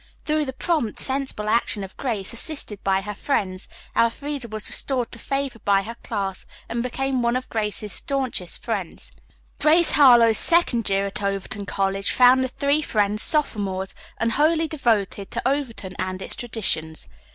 Through the prompt, sensible action of Grace, assisted by her friends, Elfreda was restored to favor by her class and became one of Grace's staunchest friends. "Grace Harlowe's Second Year at Overton College" found the three friends sophomores, and wholly devoted to Overton and its traditions.